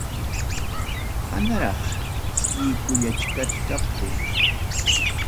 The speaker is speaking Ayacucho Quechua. Manaraq silluykullachkaptiy.